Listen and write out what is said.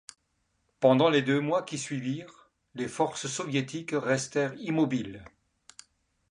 Pendant les deux mois qui suivirent, les forces soviétiques restèrent immobiles.